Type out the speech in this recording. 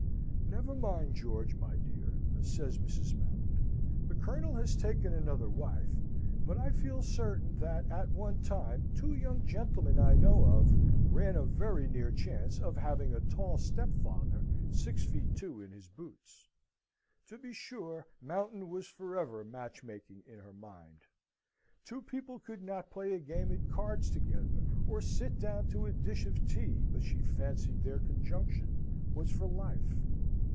"Never mind, George, my dear!" says Mrs. Mountain. "The Colonel has taken another wife, but I feel certain that at one time two young gentlemen I know of ran a very near chance of having a tall stepfather six feet two in his boots." To be sure, Mountain was for ever match making in her mind. Two people could not play a game at cards together, or sit down to a dish of tea, but she fancied their conjunction was for life.